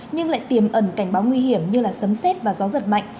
nhưng lại tiềm ẩn cảnh báo nguy hiểm như sấm xét và gió giật mạnh